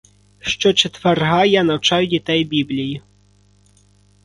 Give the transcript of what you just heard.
Щочетверга я навчаю дітей біблії.